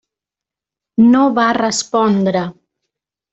No va respondre.